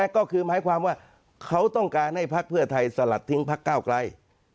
ก็คือหมายความว่าเขาต้องการให้พักเพื่อไทยสลัดทิ้งพักเก้าไกล